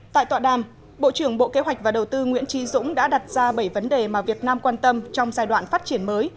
tại tọa đàm bộ trưởng bộ kế hoạch và đầu tư nguyễn trí dũng đã đặt ra bảy vấn đề mà việt nam quan tâm trong giai đoạn phát triển mới